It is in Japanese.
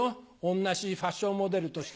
同じファッションモデルとして。